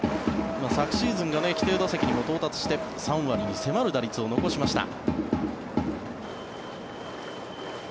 昨シーズンは規定打席にも到達して３割に迫る打率を残しました。